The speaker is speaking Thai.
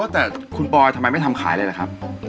แต่คุณปอยทำไมไม่ทำขายเลยล่ะครับ